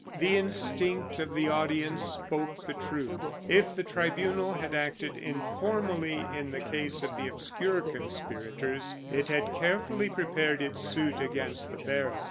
The instinct of the audience spoke the truth. If the tribunal had acted informally in the case of the obscure conspirators, it had carefully prepared its suit against the baron.